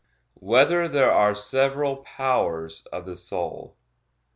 2] Whether There Are Several Powers of the Soul?